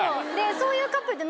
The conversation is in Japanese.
そういうカップルって。